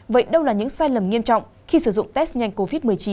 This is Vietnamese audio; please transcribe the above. vậy đâu là những sai lầm nghiêm trọng khi sử dụng test nhanh covid một mươi chín